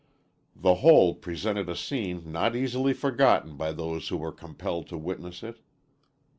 The whole presented a scene not easily forgotten by those who were compelled to witness it.